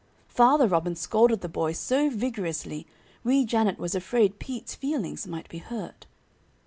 Father Robin scolded the boy so vigorously Wee Janet was afraid Pete's feelings might be hurt.